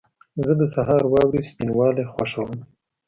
زه د سهار واورې سپینوالی خوښوم.